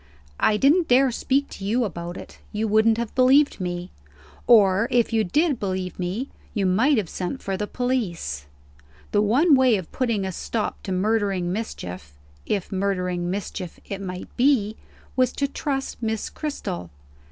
"I didn't dare speak to you about it; you wouldn't have believed me. Or, if you did believe me, you might have sent for the police. The one way of putting a stop to murdering mischief (if murdering mischief it might be) was to trust Miss Cristel.